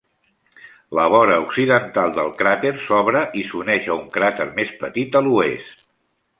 La vora occidental del cràter s'obre i s'uneix a un cràter més petit a l'oest.